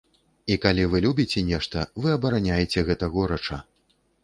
І калі вы любіце нешта, вы абараняеце гэта горача.